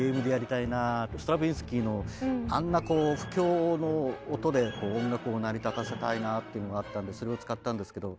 ストラヴィンスキーのあんな不協の音で音楽を成り立たせたいなっていうのがあったんでそれを使ったんですけど